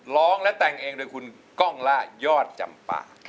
ร้องและแต่งเองโดยคุณก้องล่ายอดจำปา